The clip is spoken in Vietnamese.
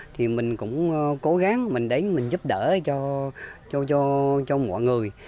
thì mình cũng cố gắng mình đến mình giúp đỡ cho mọi người